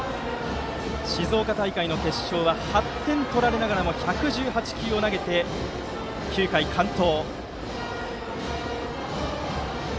静岡大会の決勝は８点取られながらも１１８球を投げて９回完投。